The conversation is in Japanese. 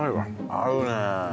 合うね。